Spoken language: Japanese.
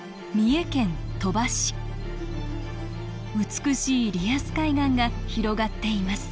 美しいリアス海岸が広がっています